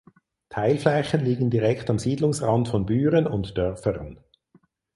Teilflächen liegen direkt am Siedlungsrand von Büren und Dörfern.